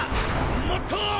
もっと！！